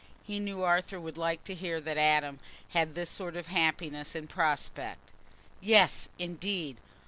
He knew Arthur would like to hear that Adam had this sort of happiness in prospect. Yes, indeed!